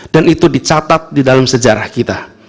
dan itu dicatat di dalam sejarah kita